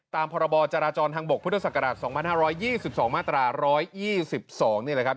ตามพศ๒๕๒๒มาตรา๑๒๒นี่แหละครับ